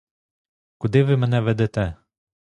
Куди ви мене ведете?